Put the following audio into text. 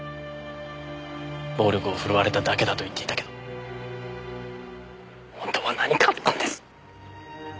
暴力を振るわれただけだと言っていたけど本当は何かあったんです。